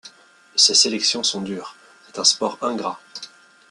Ces sélections sont dures, c'est un sport ingrat.